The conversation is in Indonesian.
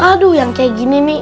aduh yang kayak gini nih